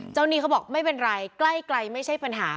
หนี้เขาบอกไม่เป็นไรใกล้ไม่ใช่ปัญหา